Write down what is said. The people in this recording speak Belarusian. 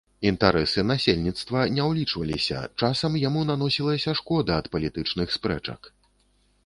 Інтарэсы насельніцтва не ўлічваліся, часам яму наносілася шкода ад палітычных спрэчак.